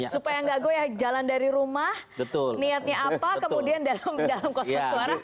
supaya nggak goyah jalan dari rumah niatnya apa kemudian dalam kotak suara